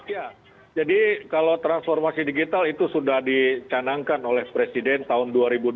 ya jadi kalau transformasi digital itu sudah dicanangkan oleh presiden tahun dua ribu dua puluh